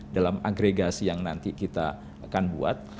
dalam agregasi yang nanti kita akan buat